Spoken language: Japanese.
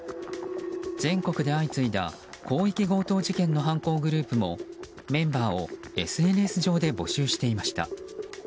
全国で相次いだ広域強盗事件の犯行グループもメンバーをＳＮＳ上で募集していました。